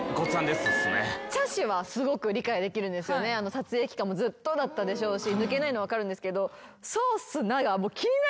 撮影期間もずっとだったでしょうし抜けないの分かるんですけど。